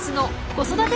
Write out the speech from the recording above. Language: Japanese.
子育て？